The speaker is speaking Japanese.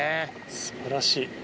素晴らしい。